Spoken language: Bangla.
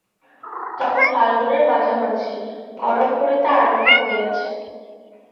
তখন ফাল্গুনের মাঝামাঝি, গরম পড়িতে আরম্ভ করিয়াছে।